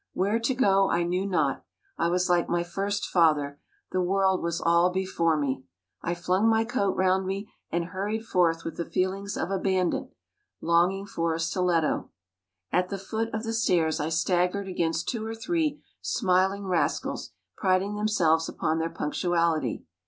Where to go I knew not: I was like my first father "the world was all before me." I flung my coat round me, and hurried forth with the feelings of a bandit longing for a stiletto. At the foot of the stairs, I staggered against two or three smiling rascals, priding themselves upon their punctuality.